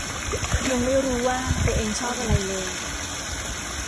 ยังไม่รู้ว่าตัวเองชอบอะไรเลย